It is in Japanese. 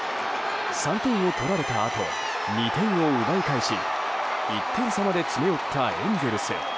３点を取られたあと２点を奪い返し１点差まで詰め寄ったエンゼルス。